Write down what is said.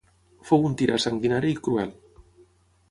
Fou un tirà sanguinari i cruel.